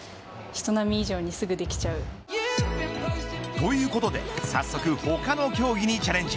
ということで早速他の競技にチャレンジ。